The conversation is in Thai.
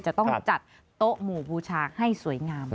จะต้องจัดโต๊ะหมู่บูชาให้สวยงาม